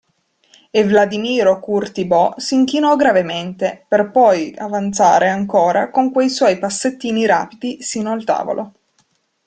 E Vladimiro Curti Bo' s'inchinò gravemente, per poi avanzare ancora con quei suoi passettini rapidi sino al tavolo.